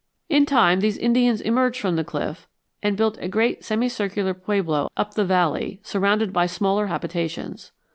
In time these Indians emerged from the cliff and built a great semi circular pueblo up the valley, surrounded by smaller habitations.